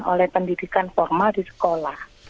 oleh pendidikan formal di sekolah